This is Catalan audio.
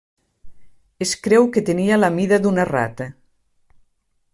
Es creu que tenia la mida d'una rata.